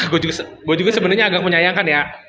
gue juga sebenarnya agak menyayangkan ya